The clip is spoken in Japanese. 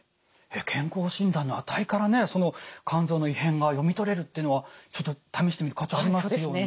健康診断の値からねその肝臓の異変が読み取れるっていうのはちょっと試してみる価値ありますよね。